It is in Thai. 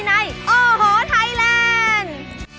ในโอ้โหไทยแลนด์